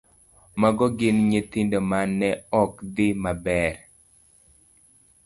Mago gin nyithindo ma ne ok dhi maber e